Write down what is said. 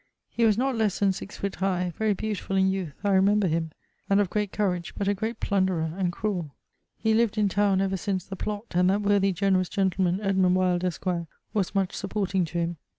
He was not lesse than 6 foot high: very beautifull in youth I remember him: and of great courage, but a great plunderer and cruell. He lived in towne ever since the Plott, and that worthy generous gentleman Edmund Wyld, esq., was much supporting to him.